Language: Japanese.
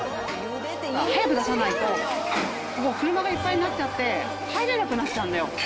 早く出さないと、もう車がいっぱいになっちゃって、入れなくなっちゃうのよ。